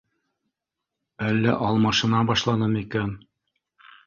— Әллә алмашына башланымы икән?